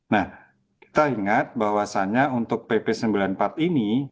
nah kita ingat bahwasannya untuk pp sembilan puluh empat ini